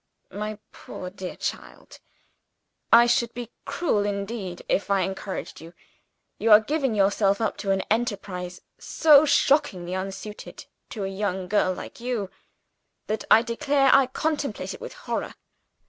"My poor dear child, I should be cruel indeed, if I encouraged you. You are giving yourself up to an enterprise, so shockingly unsuited to a young girl like you, that I declare I contemplate it with horror.